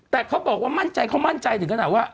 แต่เขาบอกว่ามั่นใจเขามั่นใจถึงขนาดว่า